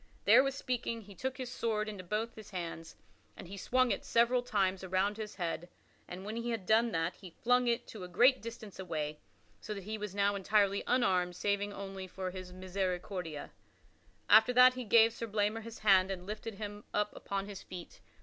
[Sidenote: Sir Tristram gives Sir Blamor back his sword] Therewith speaking, he took his sword into both his hands and he swung it several times around his head and when he had done that he flung it to a great distance away, so that he was now entirely unarmed saving only for his misericordia. After that he gave Sir Blamor his hand and lifted him up upon his feet.